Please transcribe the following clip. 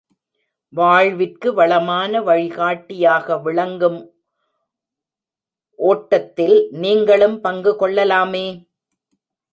வாழ்விற்கு வளமான வழிகாட்டியாக விளங்கும் ஒட்டத்தில் நீங்களும் பங்கு கொள்ளலாமே!